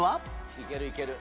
いけるいける。